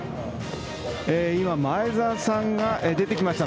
今、前澤さんが出てきました。